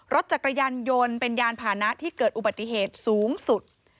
รถจักรยานยนต์เป็นยานผ่านะที่เกิดอุบัติเหตุสูงสุด